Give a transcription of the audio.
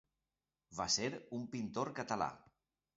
Va ser un pintor català.